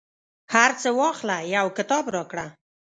هرڅه واخله، یو کتاب راکړه